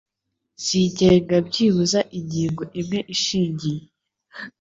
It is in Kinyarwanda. zigenga byibuze ingingo imwe ishingiye